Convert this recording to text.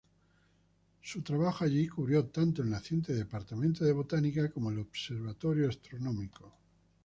Su trabajo allí cubrió tanto el naciente Departamento de botánica como el Observatorio astronómico.